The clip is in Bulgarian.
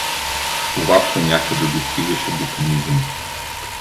Това понякъде достигаше до комизъм.